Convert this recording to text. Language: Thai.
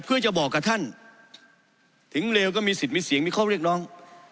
เพื่อจะบอกกับท่านถึงเลวก็มีสิทธิ์มีเสียงมีข้อเรียกร้อง